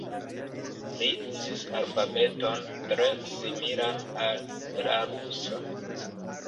Li uzis alfabeton tre similan al la rusa.